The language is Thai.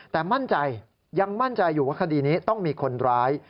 แต่มั่นใจยังมั่นใจอยู่ว่าคดีนี้ต้องมีคนร้าย